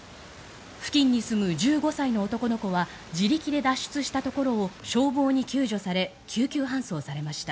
付近に住む１５歳の男の子は自力で脱出したところを消防に救助され救急搬送されました。